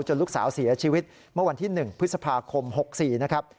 ลูกสาวเสียชีวิตเมื่อวันที่๑พฤษภาคม๖๔นะครับ